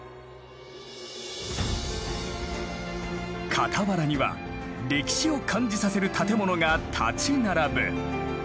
傍らには歴史を感じさせる建物が立ち並ぶ。